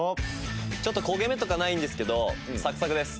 ちょっと焦げ目とかないんですけどサクサクです。